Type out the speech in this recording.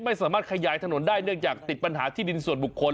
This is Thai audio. ไม่สามารถขยายถนนได้เนื่องจากติดปัญหาที่ดินส่วนบุคคล